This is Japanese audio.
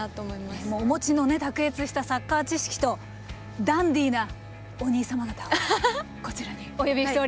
お持ちのね卓越したサッカー知識とダンディーなおにい様方をこちらにお呼びしております。